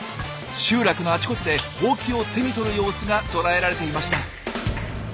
集落のあちこちでホウキを手に取る様子がとらえられていました。